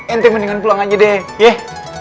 enti mendingan pulang aja deh yeh